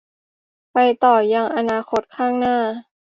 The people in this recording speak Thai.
ไปต่อยังอนาคตข้างหน้า